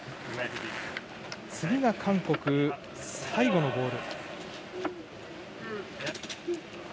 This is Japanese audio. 次が韓国最後のボール。